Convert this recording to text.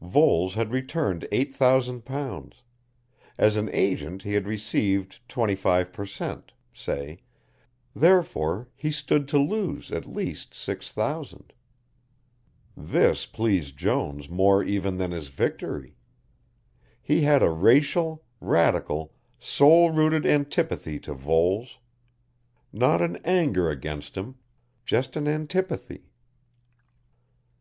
Voles had returned eight thousand pounds; as an agent he had received twenty five per cent., say, therefore, he stood to lose at least six thousand. This pleased Jones more even than his victory. He had a racial, radical, soul rooted antipathy to Voles. Not an anger against him, just an antipathy.